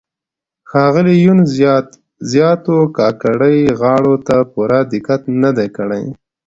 ښاغلي یون زیاتو کاکړۍ غاړو ته پوره دقت نه دی کړی.